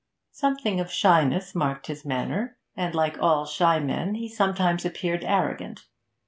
Something of shyness marked his manner, and like all shy men he sometimes appeared arrogant.